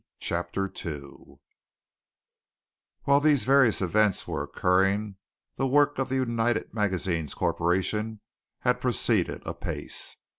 CHAPTER II While these various events were occurring the work of the United Magazines Corporation had proceeded apace.